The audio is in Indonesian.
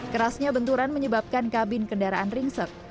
kerasnya benturan menyebabkan kabin kendaraan ringsek